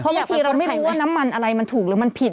บางทีเราไม่รู้ว่าน้ำมันอะไรมันถูกหรือมันผิด